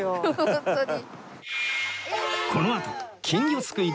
ホントに。